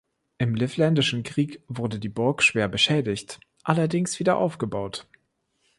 Im Livländischen Krieg wurde die Burg schwer beschädigt, allerdings wieder aufgebaut.